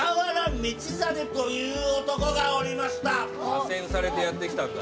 左遷されてやってきたんだ。